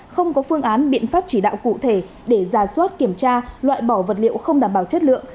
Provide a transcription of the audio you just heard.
không có phương án biện pháp chỉ đạo cụ thể để giả soát kiểm tra loại bỏ vật liệu không đảm bảo chất lượng